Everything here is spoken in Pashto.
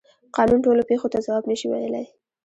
قانون ټولو پیښو ته ځواب نشي ویلی.